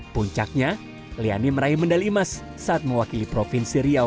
puncaknya leoni meraih mendal imas saat mewakili provinsi riau